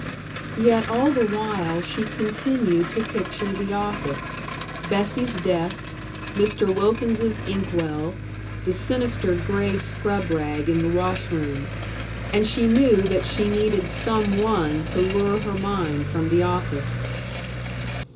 Yet all the while she continued to picture the office Bessie's desk, Mr. Wilkins's inkwell, the sinister gray scrub rag in the wash room, and she knew that she needed some one to lure her mind from the office.